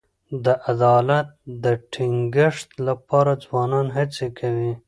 د عدالت د ټینګښت لپاره ځوانان هڅي کوي.